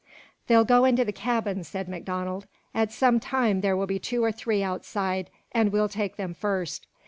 "They'll go into the cabins," said MacDonald. "At some time there will be two or three outside, an' we'll take them first.